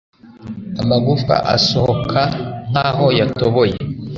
amagufwa asohoka nkaho yatoboye